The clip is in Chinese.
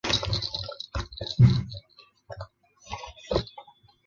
大新金融集团有限公司是一家在香港交易所上市的金融公司。